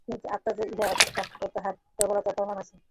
কিন্তু আত্মা যে এক, ইহা অপেক্ষাও তাহার প্রবলতর প্রমাণ আছে।